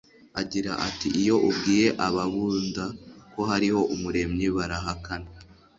agira ati iyo ubwiye ababuda ko hariho umuremyi barahakana